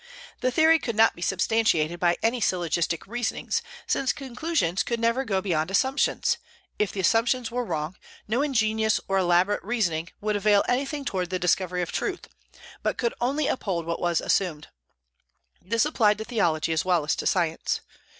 The theory could not be substantiated by any syllogistic reasonings, since conclusions could never go beyond assumptions; if the assumptions were wrong, no ingenious or elaborate reasoning would avail anything towards the discovery of truth, but could only uphold what was assumed. This applied to theology as well as to science.